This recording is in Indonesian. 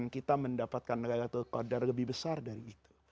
kita mendapatkan negara negara terkodar lebih besar dari itu